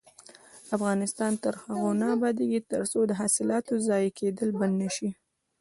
افغانستان تر هغو نه ابادیږي، ترڅو د حاصلاتو ضایع کیدل بند نشي.